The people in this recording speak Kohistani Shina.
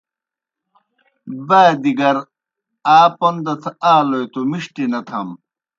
بادیْ گر آ پوْن دتھہ آلوئے توْ مِݜٹیْ نہ تھم۔